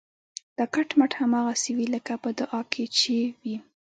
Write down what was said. دا کټ مټ هماغسې وي لکه په دعا کې چې وي.